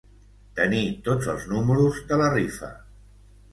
Tenir tots els números de la rifa.